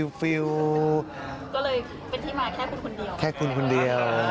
ก็เลยเป็นที่มาแค่คุณคนเดียว